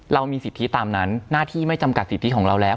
เรามีสิทธิตามนั้นหน้าที่ไม่จำกัดสิทธิของเราแล้ว